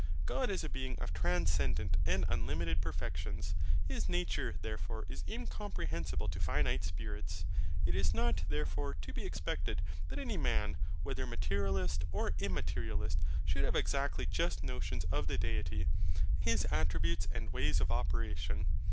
God is a Being of transcendent and unlimited perfections: His nature, therefore, is incomprehensible to finite spirits. It is not, therefore, to be expected, that any man, whether Materialist or Immaterialist, should have exactly just notions of the Deity, His attributes, and ways of operation.